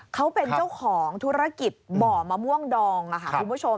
เขาเป็นเจ้าของธุรกิจบ่อมะม่วงดองค่ะคุณผู้ชม